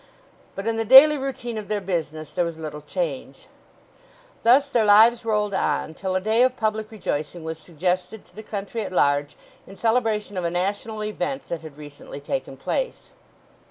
But in the daily routine of their business there was little change. Thus their lives rolled on till a day of public rejoicing was suggested to the country at large in celebration of a national event that had recently taken place.